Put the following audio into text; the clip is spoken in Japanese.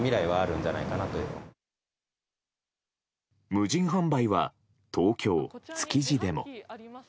無人販売は東京・築地でも。